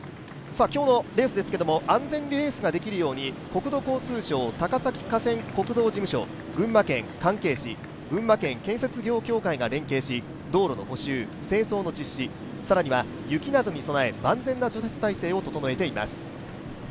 今日のレースですけれども、安全にレースができるように、国土交通省高崎河川国道事務所、群馬県、関係市、群馬県建設業協会が連携し道路の補修、清掃の実施、さらには雪などに備え、万全な除雪体制を整えています。